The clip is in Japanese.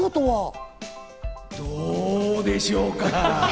どでしょうか？